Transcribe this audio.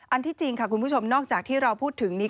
ที่จริงค่ะคุณผู้ชมนอกจากที่เราพูดถึงนี้